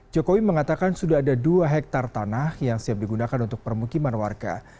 jokowi mengatakan sudah ada dua hektare tanah yang siap digunakan untuk permukiman warga